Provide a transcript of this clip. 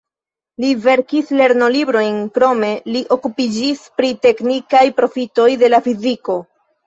Li verkis lernolibrojn, krome li okupiĝis pri teknikaj profitoj de la fiziko.